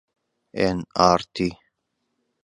ئێن ئاڕ تی